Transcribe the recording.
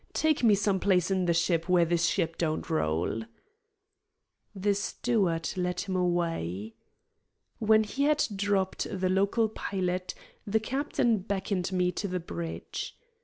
Take me some place in the ship where this ship don't roll." The steward led him away. When he had dropped the local pilot the captain beckoned me to the bridge.